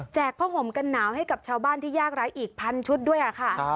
ผ้าห่มกันหนาวให้กับชาวบ้านที่ยากไร้อีกพันชุดด้วยค่ะ